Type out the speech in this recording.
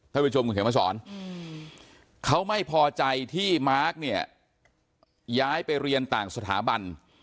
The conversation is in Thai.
ผู้ชมคุณเขียนมาสอนเขาไม่พอใจที่มาร์คเนี่ยย้ายไปเรียนต่างสถาบัน